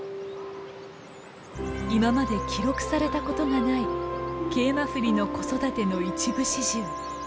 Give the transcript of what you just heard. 今まで記録されたことがないケイマフリの子育ての一部始終。